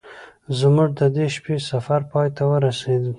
زموږ د دې شپې سفر پای ته ورسید.